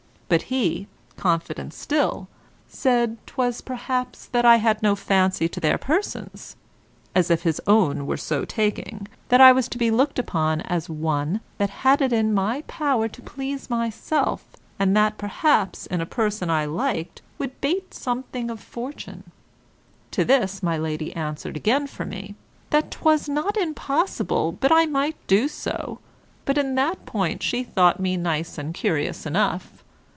But he, confident still, said 'twas perhaps that I had no fancy to their persons (as if his own were so taking), that I was to be looked upon as one that had it in my power to please myself, and that perhaps in a person I liked would bate something of fortune. To this my Lady answered again for me, that 'twas not impossible but I might do so, but in that point she thought me nice and curious enough.